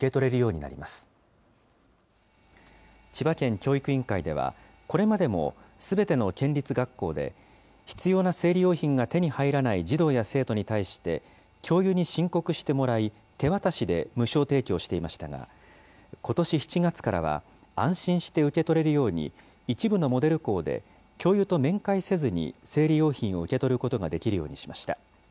教育委員会では、これまでもすべての県立学校で、必要な生理用品が手に入らない児童や生徒に対して、教諭に申告してもらい、手渡しで無償提供していましたが、ことし７月からは、安心して受け取れるように、一部のモデル校で、教諭と面会せずに生理用品を受け取ることができるようにしました。